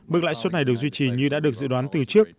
mức lãi suất này được duy trì như đã được dự đoán từ trước